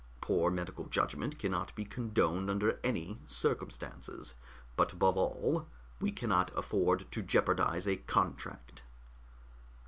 Poor medical judgment cannot be condoned under any circumstances but above all, we cannot afford to jeopardize a contract."